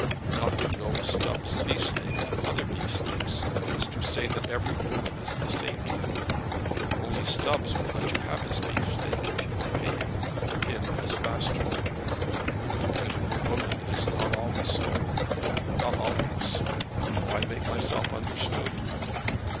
Not to know Stubbs' beefsteak from other beefsteaks, is to say that every woman is the same thing to you. Only, Stubbs will let you have his beefsteak if you will pay him, him or his master. With the beautiful woman it is not always so; not always. Do I make myself understood?"